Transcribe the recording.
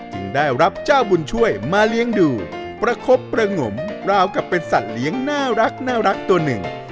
ได้รับเจ้าบุญช่วยมาเลี้ยงดูประคบประงมราวกับเป็นสัตว์เลี้ยงน่ารักตัวหนึ่ง